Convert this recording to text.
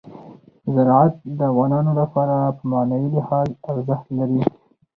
زراعت د افغانانو لپاره په معنوي لحاظ ارزښت لري.